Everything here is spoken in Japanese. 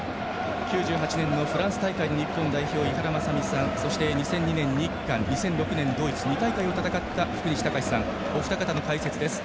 ９８年のフランス大会の日本代表井原正巳さんそして２００２年日韓２００６年ドイツ２大会を戦った福西崇史さんお二方の解説です。